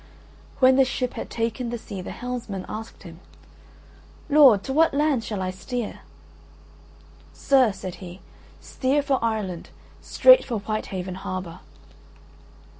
When the ship had taken the sea the helmsman asked him: "Lord, to what land shall I steer?" "Sir," said he, "steer for Ireland, straight for Whitehaven harbour."